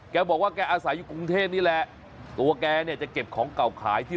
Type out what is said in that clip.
แกบอกว่าแกอาศัยอยู่กรุงเทพนี่แหละตัวแกเนี่ยจะเก็บของเก่าขายที่